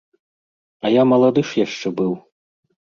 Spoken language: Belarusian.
А я малады ж яшчэ быў.